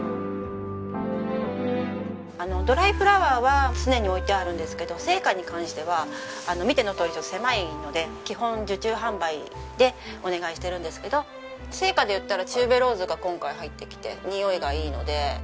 ドライフラワーは常に置いてあるんですけど生花に関しては見てのとおり狭いので基本受注販売でお願いしてるんですけど生花でいったらチューベローズが今回入ってきてにおいがいいので。